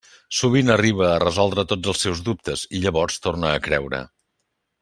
Sovint arriba a resoldre tots els seus dubtes, i llavors torna a creure.